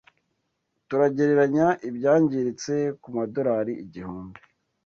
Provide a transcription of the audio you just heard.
Turagereranya ibyangiritse kumadorari igihumbi.